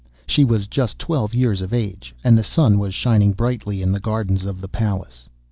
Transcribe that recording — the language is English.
She was just twelve years of age, and the sun was shining brightly in the gardens of the palace.